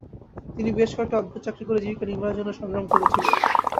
তিনি বেশ কয়েকটি অদ্ভুত চাকরি করে জীবিকা নির্বাহের জন্য সংগ্রাম করেছিলেন।